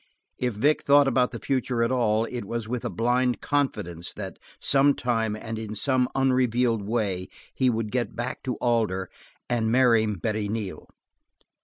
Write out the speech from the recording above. If Vic thought about the future at all, it was with a blind confidence that some time and in some unrevealed way he would get back to Alder and marry Betty Neal.